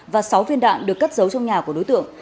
và sáu viên đạn được cất giấu trong nhà của đối tượng